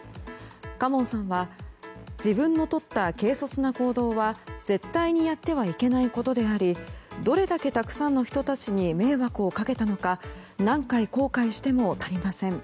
嘉門さんは自分のとった軽率な行動は絶対にやってはいけないことでありどれだけたくさんの人たちに迷惑をかけたのか何回、後悔しても足りません。